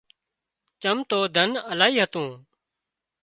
چم تو ڌن الاهي هتون